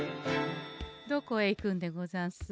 どこへ行くんでござんす？